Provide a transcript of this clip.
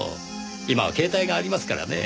今は携帯がありますからねぇ。